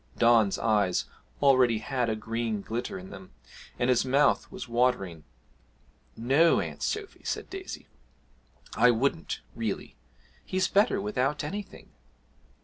Don's eyes already had a green glitter in them and his mouth was watering. 'No, Aunt Sophy,' said Daisy, 'I wouldn't really. He's better without anything.'